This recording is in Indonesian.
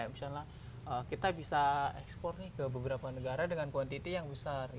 misalnya kita bisa ekspor nih ke beberapa negara dengan kuantiti yang besar